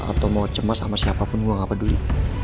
atau mau cemas sama siapapun gue gak peduli